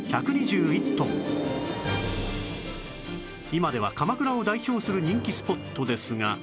今では鎌倉を代表する人気スポットですが